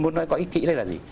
muốn nói có ý kĩ đây là gì